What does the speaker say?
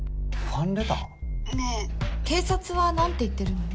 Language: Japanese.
ねえ警察はなんて言ってるの？